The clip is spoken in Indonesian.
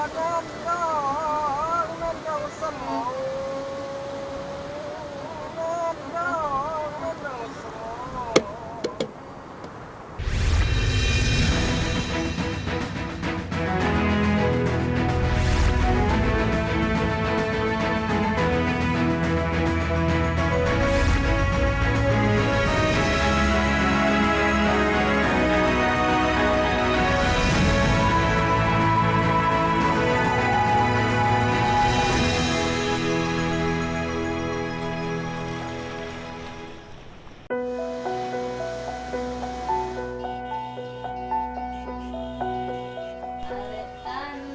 jangan lupa like share dan subscribe channel ini